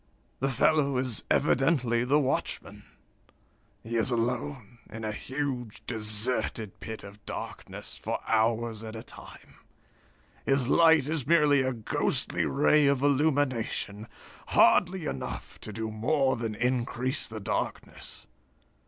"The fellow is evidently the watchman. He is alone, in a huge, deserted pit of darkness, for hours at a time. His light is merely a ghostly ray of illumination, hardly enough to do more than increase the darkness.